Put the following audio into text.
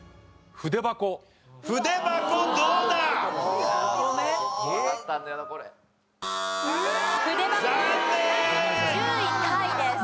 筆箱は２人で１０位タイです。